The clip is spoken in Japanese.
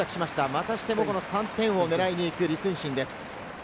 またしても３点を狙いにいく李承信です。